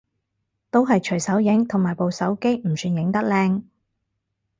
都係隨手影，同埋部手機唔算影得靚